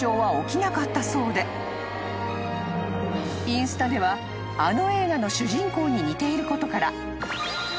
［インスタではあの映画の主人公に似ていることから］